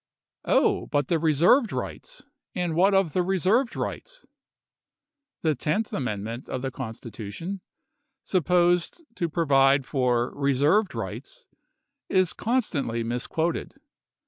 "Oh, but 'the reserved rights'! And what of the reserved rights ? The tenth amendment of the Constitution, supposed to provide for 'reserved rights,' is constantly misquoted.